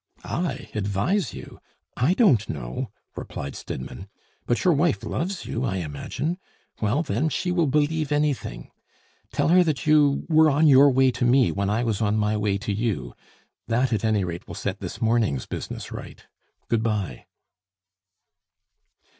"I! advise you! I don't know," replied Stidmann. "But your wife loves you, I imagine? Well, then, she will believe anything. Tell her that you were on your way to me when I was on my way to you; that, at any rate, will set this morning's business right. Good bye."